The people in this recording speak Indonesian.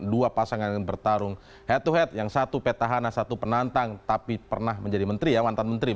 dua pasangan yang bertarung head to head yang satu peta hana satu penantang tapi pernah menjadi menteri ya